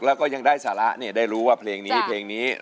แล้วก็ยังได้สาระได้รู้ว่าเพลงนี้